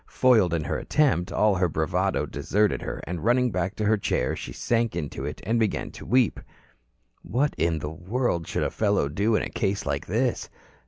Foiled in her attempt, all her bravado deserted her and running back to her chair, she sank into it and began to weep. What in the world should a fellow do in a case like this?